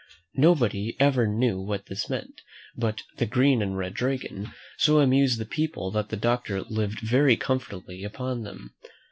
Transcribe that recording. Nobody ever knew what this meant; but the "Green and Red Dragon" so amused the people, that the doctor lived very comfortably upon them.